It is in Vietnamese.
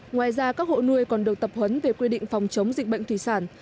ngoài ra các hộ nuôi còn được tập huấn về quy định phòng chống dịch bệnh thủy sản